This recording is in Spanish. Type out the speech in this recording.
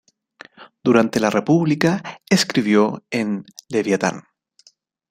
Durante la República escribió en "Leviatán".